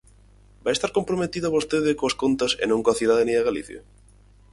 ¿Vai estar comprometida vostede coas contas e non coa cidadanía de Galicia?